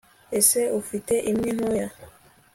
ese ufite imwe ntoya